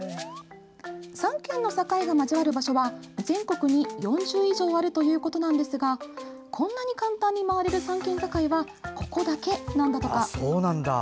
３県の境が交わる場所は全国に４０以上あるということなんですがこんなに簡単に回れる３県境はここだけなんだとか。